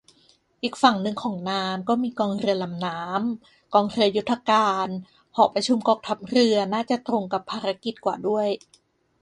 อีกฝั่งนึงของน้ำก็มีกองเรือลำน้ำ กองเรือยุทธการ หอประชุมกองทัพเรือ น่าจะตรงกับภารกิจกว่าด้วย